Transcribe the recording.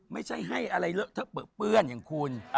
ไม่ใช่ให้อะไรเบื้อเปื้อนอย่างคุณ